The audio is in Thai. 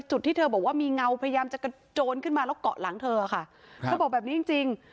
ที่เธอบอกว่ามีเงาพยายามจะกระโจนขึ้นมาแล้วเกาะหลังเธอค่ะเธอบอกแบบนี้จริงจริง